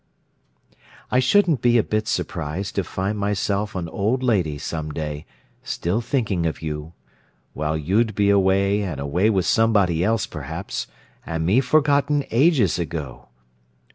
I shouldn't be a bit surprised to find myself an old lady, some day, still thinking of you—while you'd be away and away with somebody else perhaps, and me forgotten ages ago!